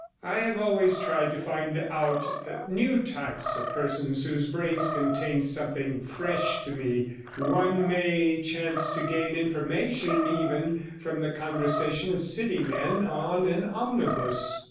I have always tried to find out new types and persons whose brains contained something fresh to me; one may chance to gain information even from the conversation of city men on an omnibus.